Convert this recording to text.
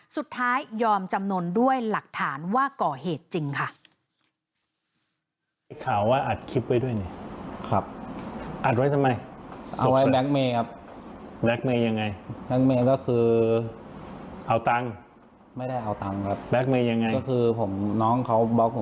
ยอมจำนวนด้วยหลักฐานว่าก่อเหตุจริงค่ะ